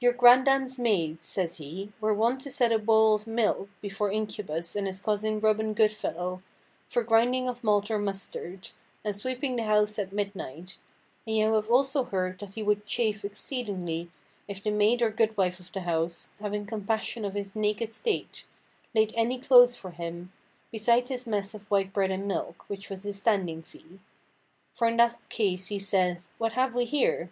"Your grandams' maides," says he, "were woont to set a boll of milke before Incubus and his cousine Robin Goodfellow for grinding of malt or mustard, and sweeping the house at midnight; and you have also heard that he would chafe exceedingly if the maid or good–wife of the house, having compassion of his naked state, laid anie clothes for him, besides his messe of white bread and milke, which was his standing fee. For in that case he saith, What have we here?